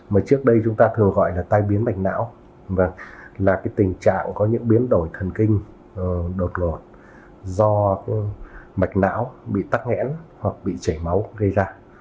mà trước đây chúng ta thường gọi là tai biến mạch não và là cái tình trạng có những biến đổi thần kinh đột ngột do mạch não bị tắc nghẽn hoặc bị chảy máu gây ra